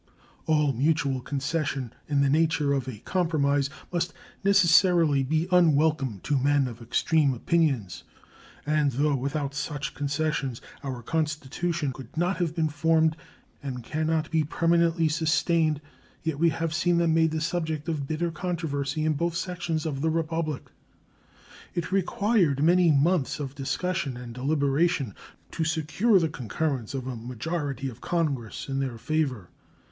All mutual concession in the nature of a compromise must necessarily be unwelcome to men of extreme opinions. And though without such concessions our Constitution could not have been formed, and can not be permanently sustained, yet we have seen them made the subject of bitter controversy in both sections of the Republic. It required many months of discussion and deliberation to secure the concurrence of a majority of Congress in their favor.